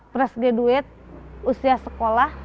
pres graduate usia sekolah